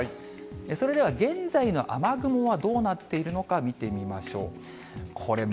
それでは現在の雨雲はどうなっているのか、見てみましょう。